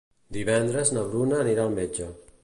Divendres na Bruna anirà al metge.